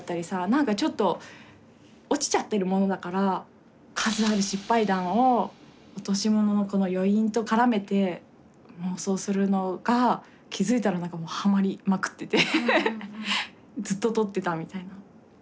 何かちょっと落ちちゃってるものだから数ある失敗談をオトシモノの余韻と絡めて妄想するのが気付いたら何かもうハマりまくっててずっと撮ってたみたいな。